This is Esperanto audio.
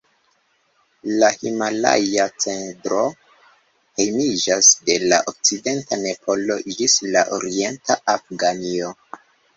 La himalaja-cedro hejmiĝas de la okcidenta Nepalo ĝis la orienta Afganio.